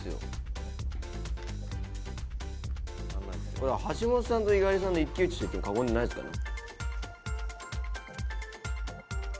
これ橋本さんと猪狩さんの一騎打ちといっても過言じゃないですからね。